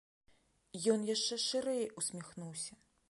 Ён яшчэ шырэй усміхнуўся.